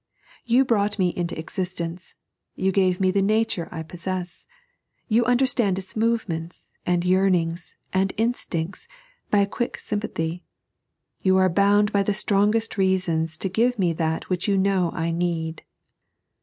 " You brought me into existence ; you gave me the nature I possess ; you under stand its movements, and yearnings, and instincts, by a quick sympathy ; you are bound by the strongest reasons to give me that which you know I need.